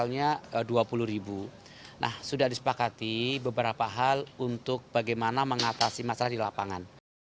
nah sudah disepakati beberapa hal untuk bagaimana mengatasi masalah di lapangan